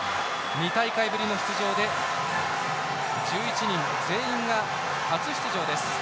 ２大会ぶりの出場で１１人全員が初出場です。